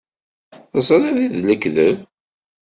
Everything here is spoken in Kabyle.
Teẓriḍ d lekdeb.